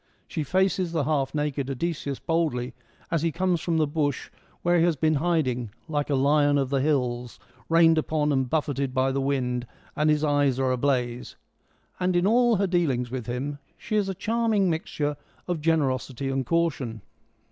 She faces the half naked Odysseus boldly, as he comes from the bush where he has been hiding ' like a lion of the hills, rained upon and buffeted by the wind, and his eyes are ablaze,' and in all her dealings with him she is a charming mixture of generosity and caution.